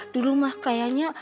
dulu mah kayaknya